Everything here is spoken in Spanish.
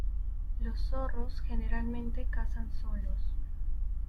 Los zorros generalmente cazan solos.